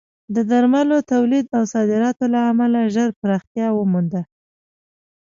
د درملو تولید او صادراتو له امله ژر پراختیا ومونده.